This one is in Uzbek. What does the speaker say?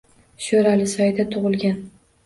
Sho’ralisoyda tug’ilgan.